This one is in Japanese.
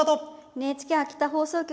ＮＨＫ秋田放送局